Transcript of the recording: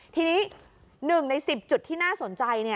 ทีนี้๑ใน๑๐จุดที่น่าสนใจ